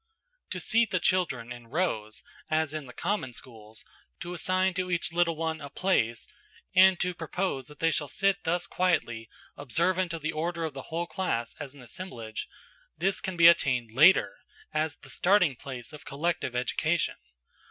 To seat the children in rows, as in the common schools, to assign to each little one a place, and to propose that they shall sit thus quietly observant of the order of the whole class as an assemblage–this can be attained later, as the starting place of collective education.